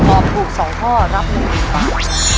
ตอบถูก๒ข้อรับ๑๐๐๐บาท